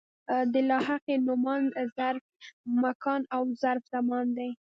د لاحقې نومان ظرف مکان او ظرف زمان دي.